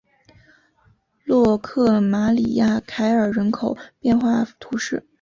洛克马里亚凯尔人口变化图示